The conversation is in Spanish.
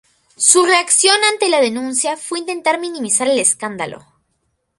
Su reacción ante la denuncia fue intentar minimizar el escándalo.